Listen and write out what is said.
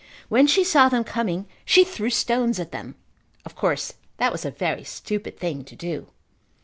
When she saw them coming she threw stones at them. Of course that was a very stupid thing to do.